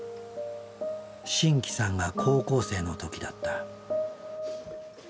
真気さんが高校生の時だった。